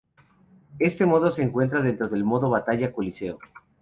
Este modo se encuentra dentro del modo Batalla Coliseo.